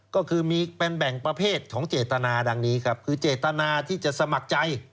ก็คือมีเป็นแบ่งประเภทของเจตนาดังนี้ครับคือเจตนาที่จะสมัครใจ